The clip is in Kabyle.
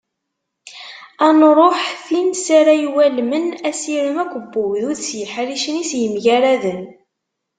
Ad nruḥ tin s ara iwalmen asirem akk n wegdud s yeḥricen-is yemgaraden.